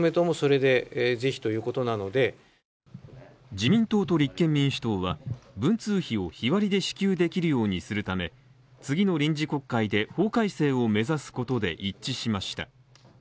自民党と立憲民主党は、文通費を日割りで支給できるようにするため、次の臨時国会で法改正を目指すことで一致しました。